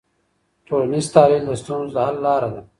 ټولنیز تحلیل د ستونزو د حل لاره ده.